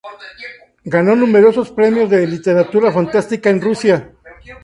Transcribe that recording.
Ganó numerosos premios de literatura fantástica en Rusia.